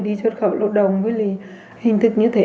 đi xuất khẩu lột đồng với hình thức như thế